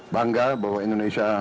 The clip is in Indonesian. bangga bahwa indonesia